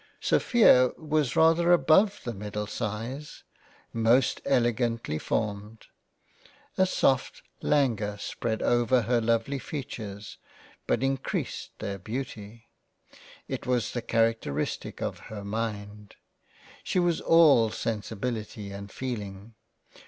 Sophia was rather above the middle size; most elegantly formed. A soft languor spread over her lovely features, but increased their Beauty —. It was the Charectarestic of her Mind —. She was all sensibility and Feeling.